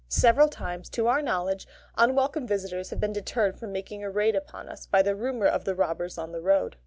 Several times, to our knowledge, unwelcome visitors have been deterred from making a raid upon us, by the rumour of the robbers on the road.